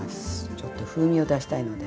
ちょっと風味を出したいので。